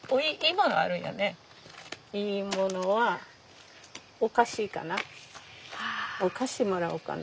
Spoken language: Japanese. いいものはお菓子かな？